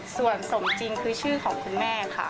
ส่วนสมจริงคือชื่อของคุณแม่ค่ะ